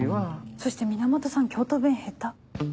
そして源さん京都弁ヘタ。